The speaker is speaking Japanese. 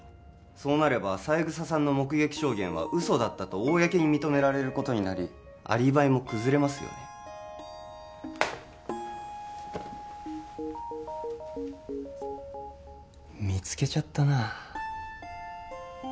そうなれば三枝さんの目撃証言は嘘だったと公に認められアリバイも崩れますよね見つけちゃったなあ・